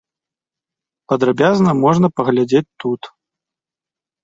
Падрабязна можна паглядзець тут.